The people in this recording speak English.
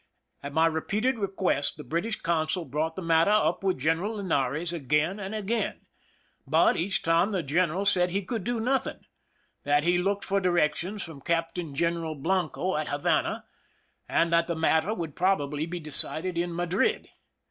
At my repeated request the British consul brought the matter up with General Linares again and again ; but each time the gen eral said he could do nothing— that he looked for directions from Captain General Blanco at Havana, and that the matter would probably be decided in Madrid.